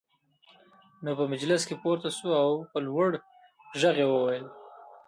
نو په مجلس کې پورته شو او په لوړ غږ يې وويل: